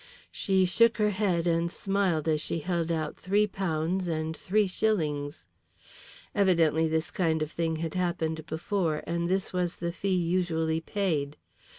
She shook her head and smiled as she held out three pounds and three shillings. Evidently this kind of thing had happened before, and this was the fee usually paid.